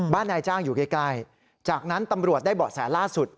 นายจ้างอยู่ใกล้จากนั้นตำรวจได้เบาะแสล่าสุด